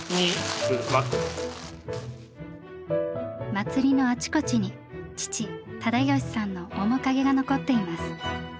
祭りのあちこちに父忠喜さんの面影が残っています。